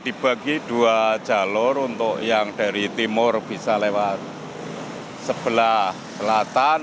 dibagi dua jalur untuk yang dari timur bisa lewat sebelah selatan